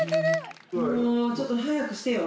もうちょっと早くしてよ。